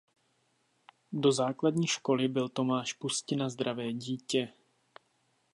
Do základní školy byl Tomáš Pustina zdravé dítě.